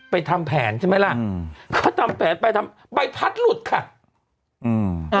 ทำแผนใช่ไหมล่ะอืมเขาทำแผนไปทำใบพัดหลุดค่ะอืม